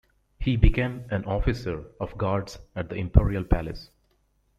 He became an officer of guards at the Imperial palace.